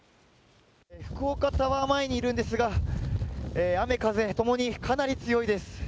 福岡タワー前にいるんですが、雨風共にかなり強いです。